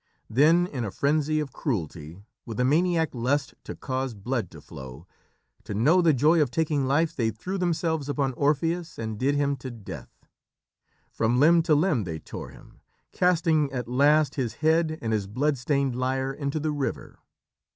Then in a frenzy of cruelty, with the maniac lust to cause blood to flow, to know the joy of taking life, they threw themselves upon Orpheus and did him to death. From limb to limb they tore him, casting at last his head and his blood stained lyre into the river.